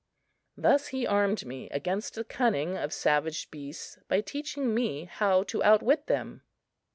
Thus he armed me against the cunning of savage beasts by teaching me how to outwit them.